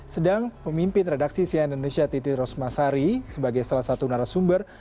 sedang pemimpin redaksi sian indonesia titi rosmasari sebagai salah satu narasumber